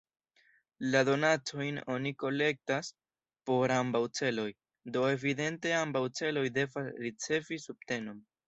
La donacojn oni kolektas por ambaŭ celoj, do evidente ambaŭ celoj devas ricevi subtenon.